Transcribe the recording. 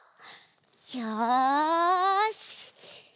よし！